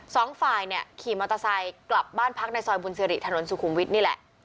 สองฝ่ายเนี่ยขี่มอเตอร์ไซค์กลับบ้านพักในซอยบุญสิริถนนสุขุมวิทย์นี่แหละ